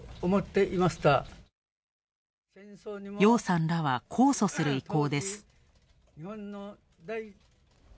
楊さんらは控訴する意向です。